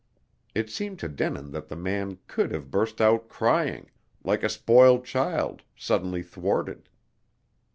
It seemed to Denin that the man could have burst out crying, like a spoiled child suddenly thwarted.